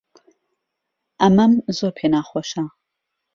ئەمەم زۆر پێ ناخۆشە.